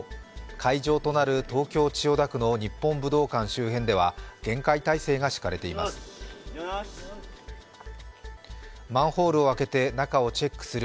会場となる東京・千代田区の日本武道館周辺では厳戒態勢が敷かれています。